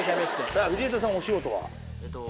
さぁ藤枝さんお仕事は？